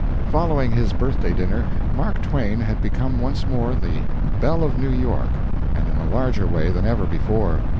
Following his birthday dinner, Mark Twain had become once more the "Belle of New York," and in a larger way than ever before.